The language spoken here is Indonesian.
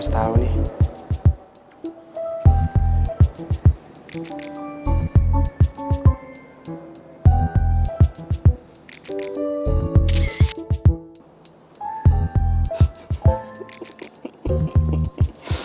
saya harus tau nih